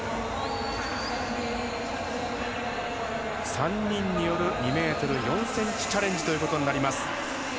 ３人による２ｍ４ｃｍチャレンジということになります。